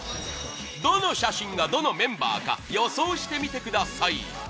どの写真が、どのメンバーか予想してみてください